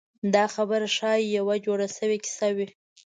دا خبره ښایي یوه جوړه شوې کیسه وي.